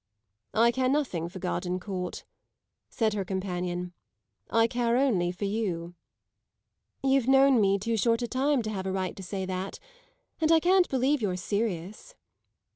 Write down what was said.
"I care nothing for Gardencourt," said her companion. "I care only for you." "You've known me too short a time to have a right to say that, and I can't believe you're serious."